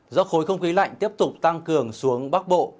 do khối không khí lạnh tiếp tục tăng cường xuống bắc bộ